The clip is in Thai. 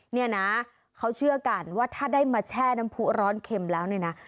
เนี่ยนะเขาเชื่อกันว่าถ้าได้มาแช่น้ำผู้ร้อนเข็มแล้วเนี่ยนะ